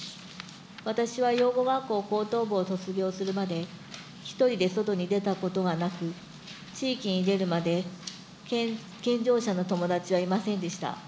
私は養護学校高等部を卒業するまで１人で外に出たことはなく、地域に出るまで健常者の友達はいませんでした。